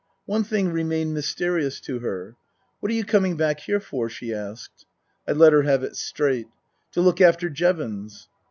One thing remained mysterious to her. " What are you coming back here for ?" she asked. I let her have it straight : "To look after Jevons."